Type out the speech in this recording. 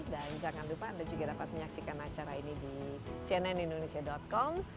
dan jangan lupa anda juga dapat menyaksikan acara ini di cnnindonesia com